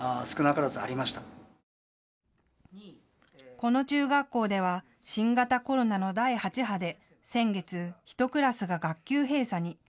この中学校では新型コロナの第８波で先月、１クラスが学級閉鎖に。